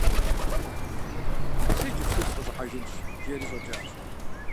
- Сэ иджыпсту сыкъыщӀыхьэжынщ, – жиӀэри щӀэкӀащ.